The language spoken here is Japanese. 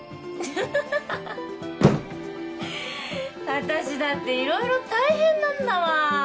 私だっていろいろ大変なんだわ。